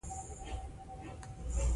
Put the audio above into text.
مسیر بېرته راتګ نلري.